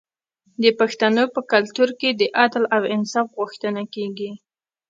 د پښتنو په کلتور کې د عدل او انصاف غوښتنه کیږي.